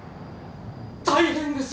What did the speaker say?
大変です！